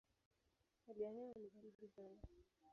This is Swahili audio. Hali ya hewa ni baridi sana.